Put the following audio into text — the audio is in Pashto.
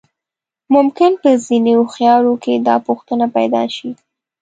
ممکن په ځينې هوښيارو کې دا پوښتنه پيدا شي.